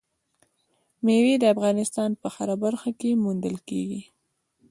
مېوې د افغانستان په هره برخه کې موندل کېږي.